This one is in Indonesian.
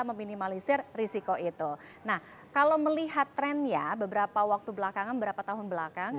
meminimalisir risiko itu nah kalau melihat trennya beberapa waktu belakangan berapa tahun belakang